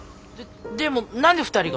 ででも何で２人が？